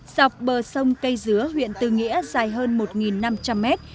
dọc bờ sông cây dứa huyện tư nghĩa dài hơn một năm trăm linh mét